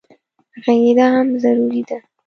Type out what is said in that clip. غږېدا هم ضروري ده.